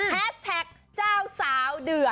แท็กเจ้าสาวเดือ